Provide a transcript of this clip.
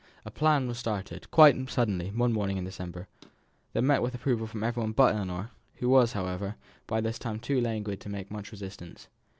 A plan was started, quite suddenly, one morning in December, that met with approval from everyone but Ellinor, who was, however, by this time too languid to make much resistance.